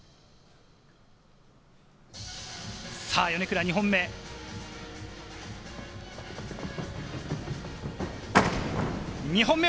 米倉、２本目。